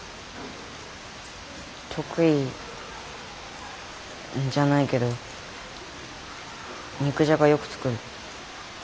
得意じゃないけど肉じゃがよく作る。